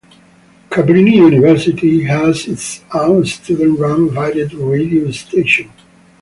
Cabrini University has its own student-run variety radio station.